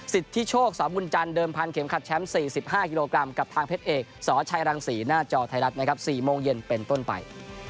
สิทธิโชคสบุญจันทร์เดิมพันเข็มขัดแชมป์๔๕กิโลกรัมกับทางเพชรเอกสชัยรังศรีหน้าจอไทยรัฐนะครับ๔โมงเย็นเป็นต้นไป